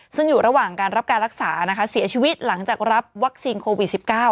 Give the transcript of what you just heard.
ซึ่งอยู่ระหว่างการรับการรักษานะคะเสียชีวิตหลังจากรับวัคซีนโควิด๑๙